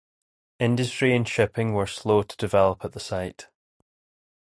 Industry and shipping were slow to develop at the site.